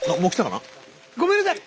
ごめんなさい！